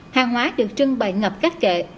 hàng hóa được trưng bày ngập các kệ